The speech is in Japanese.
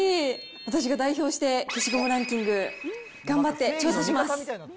私が代表して、消しゴムランキング頑張って調査します。